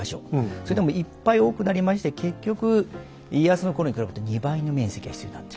それでもいっぱい多くなりまして結局家康の頃に比べて２倍の面積が必要になっちゃう。